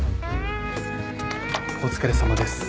お疲れさまです。